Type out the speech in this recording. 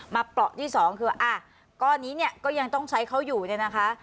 เปราะที่สองคือว่าก้อนนี้เนี่ยก็ยังต้องใช้เขาอยู่เนี่ยนะคะ